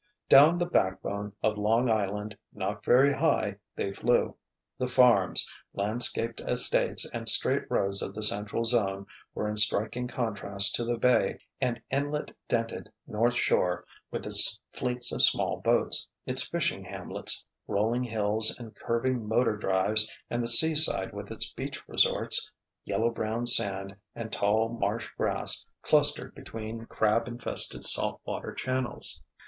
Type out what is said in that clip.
Down the backbone of Long Island, not very high, they flew. The farms, landscaped estates and straight roads of the central zone were in striking contrast to the bay and inlet dented North Shore with its fleets of small boats, its fishing hamlets, rolling hills and curving motor drives and the seaside with its beach resorts, yellow brown sand and tall marsh grass clustered between crab infested salt water channels.